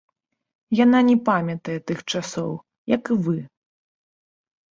Яна не памятае тых часоў, як і вы.